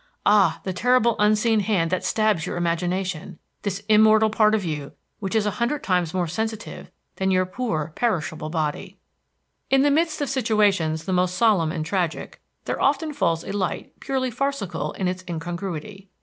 Ah, the terrible unseen hand that stabs your imagination, this immortal part of you which is a hundred times more sensitive than your poor perishable body! In the midst of situations the most solemn and tragic there often falls a light purely farcical in its incongruity.